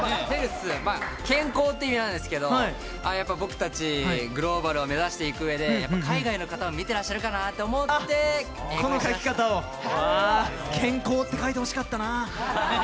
健康という意味なんですけど、僕たちグローバルを目指していくうえで海外の方も見ていらっしゃるかなと思ってこの書き方を健康って書いてほしかったな。